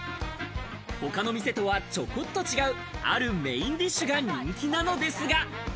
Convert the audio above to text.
他の店とはちょこっと違うあるメインディッシュが人気なのですが。